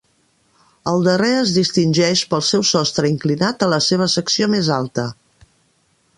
El darrer es distingeix pel seu sostre inclinat a la seva secció més alta.